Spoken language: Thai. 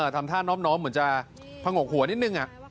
ทำท่าน้อมเหมือนจะผงกหัวนิดนึง